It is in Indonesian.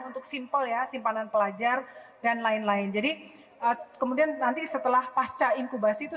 untuk simpel ya simpanan pelajar dan lain lain jadi kemudian nanti setelah pasca inkubasi itu